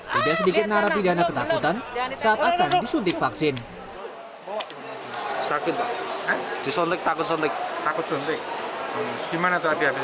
tidak sedikit narapidana ketakutan saat akan disuntik vaksin sakit takut suntik gimana